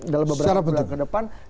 dalam beberapa bulan ke depan